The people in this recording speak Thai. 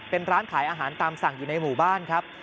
เป็นร้านขายอาหารตามสั่งอยู่ในหมู่บ้านครับ